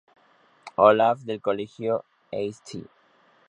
Olaf, del Colegio St.